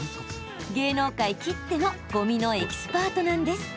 芸能界きってのごみのエキスパートなんです。